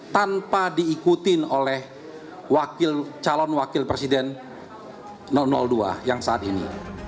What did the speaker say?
tanpa diikutin oleh calon wakil presiden dua yang saat ini